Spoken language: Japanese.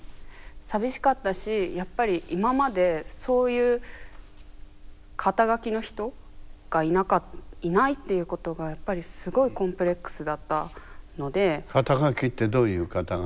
寂しかったしやっぱり今までそういう肩書の人がいないっていうことがやっぱり肩書ってどういう肩書？